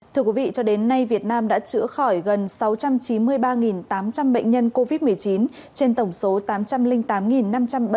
thưa quý vị cho đến nay việt nam đã chữa khỏi gần sáu trăm chín mươi ba tám trăm linh bệnh nhân covid một mươi chín trên tổng số tám trăm linh tám năm trăm ba mươi ca